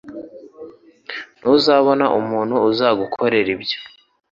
Ntuzabona umuntu uzagukorera ibyo.